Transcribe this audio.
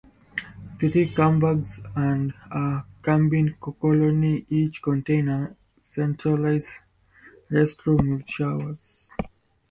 Three campgrounds and a cabin colony each contain a centralized restroom with showers.